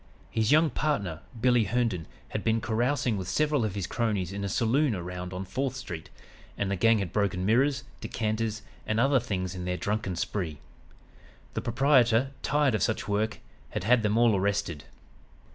His young partner, 'Billy' Herndon, had been carousing with several of his cronies in a saloon around on Fourth Street, and the gang had broken mirrors, decanters and other things in their drunken spree. The proprietor, tired of such work, had had them all arrested.